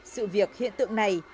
sự việc hiện tượng này